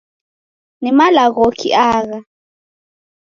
Ni malaghoki agha ?